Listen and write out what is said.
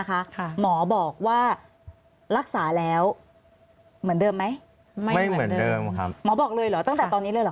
หมอบอกว่ารักษาแล้วเหมือนเดิมไหมไม่เหมือนเดิมครับหมอบอกเลยเหรอตั้งแต่ตอนนี้เลยเหรอ